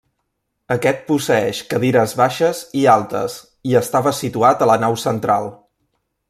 Aquest posseeix cadires baixes i altes i estava situat a la nau central.